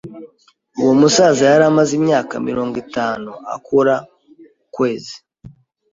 Uwo musaza yari amaze imyaka mirongo itanu akora ukwezi.